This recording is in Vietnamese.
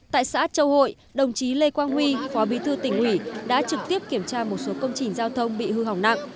tại xã châu hội đồng chí lê quang huy phó bí thư tỉnh ủy đã trực tiếp kiểm tra một số công trình giao thông bị hư hỏng nặng